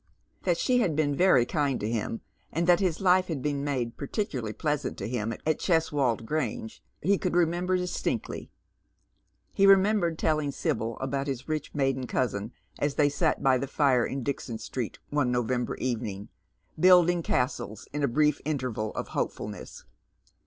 That she had been very kind to him, and that his life had been made pai'ticularly pleasant to him at Cheswold Grange, he could remember distinctly. He remembered telling Sibyl about his rich maiden cousin, as they sat by the fire in Dixon Street one November evening, building castles in a brief interval oi hopefulness.